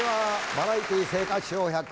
「バラエティー生活笑百科」。